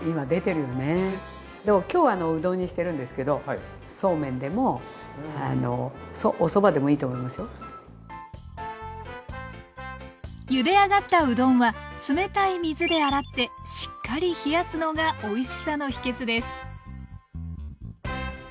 今日はうどんにしてるんですけどゆで上がったうどんは冷たい水で洗ってしっかり冷やすのがおいしさの秘けつです。